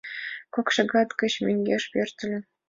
Кок шагат гыч мӧҥгеш пӧртыльӧ.